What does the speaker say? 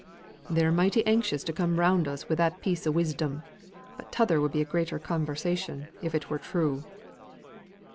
They're mighty anxious to come round us wi' that piece o' wisdom; but t'other would be a greater convarsion, if it were true."